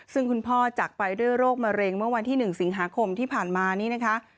ซึ่งคุณพ่อจากไปด้วยโรคมะเร็งเมื่อวันที่๑สิงหาคมที่ผ่านมานี้นะคะ